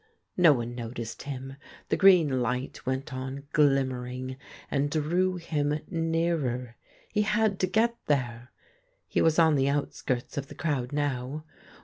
No one noticed him. The green light went on glimmei'ing, and drew him nearer. He had to get thei'e. He was on the outskirts of the ci owd now.